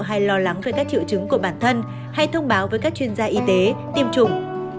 hay lo lắng về các triệu chứng của bản thân hay thông báo với các chuyên gia y tế tiêm chủng